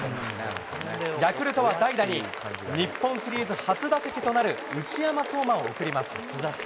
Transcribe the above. ヤクルトは、代打に日本シリーズ初打席となる内山壮真を送ります。